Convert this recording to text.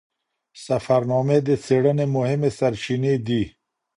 سفرنامې د څیړنې مهمې سرچینې دي.